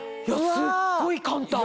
すっごい簡単！